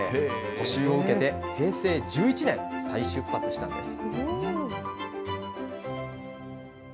補修を受けて、平成１１年、再出発したんです。